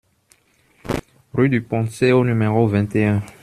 Rue du Poncé au numéro vingt et un